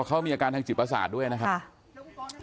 เขามีอาการทางจิตประสาทด้วยนะครับ